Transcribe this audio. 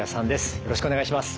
よろしくお願いします。